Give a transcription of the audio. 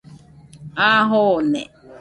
A jone